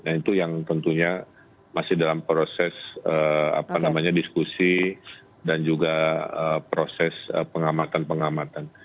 nah itu yang tentunya masih dalam proses diskusi dan juga proses pengamatan pengamatan